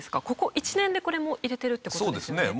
ここ１年でこれも入れてるって事ですよね。